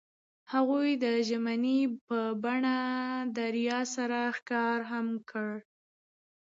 هغوی د ژمنې په بڼه دریا سره ښکاره هم کړه.